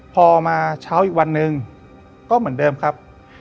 พอมาเช้าอีกวันหนึ่งก็เหมือนเดิมครับ